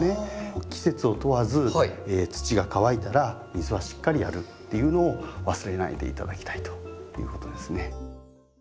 季節を問わず土が乾いたら水はしっかりやるっていうのを忘れないで頂きたいということですね。